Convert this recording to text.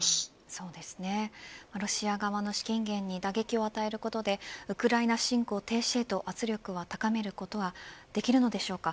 そうですね、ロシア側の資金源に打撃を与えることでウクライナ侵攻停止へと圧力を高めることはできるのでしょうか。